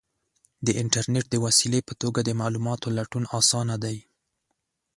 د انټرنیټ د وسیلې په توګه د معلوماتو لټون آسانه دی.